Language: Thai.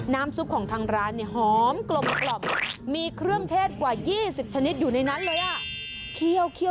ซุปของทางร้านเนี่ยหอมกลมมีเครื่องเทศกว่า๒๐ชนิดอยู่ในนั้นเลยอ่ะ